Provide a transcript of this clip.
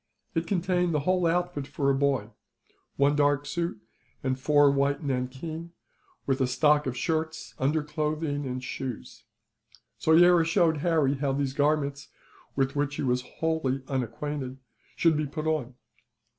It contained the whole outfit for a boy: one dark suit, and four of white nankeen; with a stock of shirts, underclothing, and shoes. Soyera showed Harry how these garments, with which he was wholly unacquainted, should be put on.